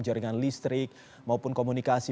jaringan listrik maupun komunikasi